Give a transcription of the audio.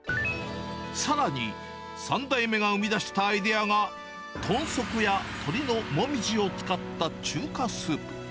さらに、３代目が生み出したアイデアが、豚足や鶏のもみじを使った中華スープ。